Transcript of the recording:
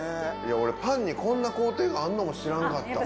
俺パンにこんな工程があんのも知らんかった。